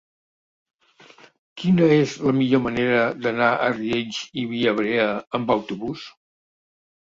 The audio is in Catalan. Quina és la millor manera d'anar a Riells i Viabrea amb autobús?